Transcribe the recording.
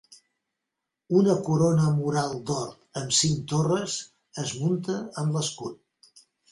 Una corona mural d'or amb cinc torres es munta en l'escut.